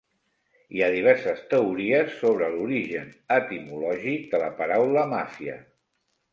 Hi ha diverses teories sobre l'origen etimològic de la paraula Màfia.